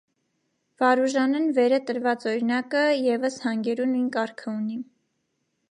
Վարուժանէն վերը տրուած օրինակը եւս յանգերու նոյն կարգը ունի։